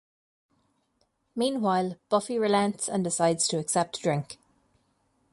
Meanwhile, Buffy relents and decides to accept a drink.